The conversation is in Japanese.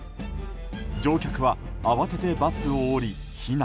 乗客は慌ててバスを降り、避難。